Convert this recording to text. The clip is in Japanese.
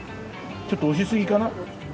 ちょっと押しすぎかな？